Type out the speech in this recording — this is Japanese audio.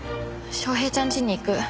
昌平ちゃん家に行く。